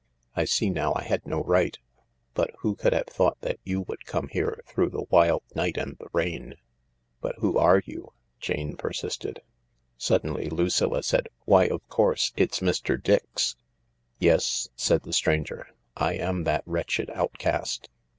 I see now I had no right, but who could have thought that you would come here through the wild night and the rain ?"" But who are you ?" Jane persisted. Suddenly Lucilla said, " Why, of course, it's Mr. Dix !"" Yes," said the stranger, " I am that wretched out cast."